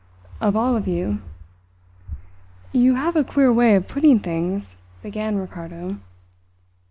"Of all of you." "You have a queer way of putting things," began Ricardo.